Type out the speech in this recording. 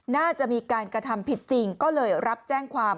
น่าจะมีการกระทำผิดจริงก็เลยรับแจ้งความ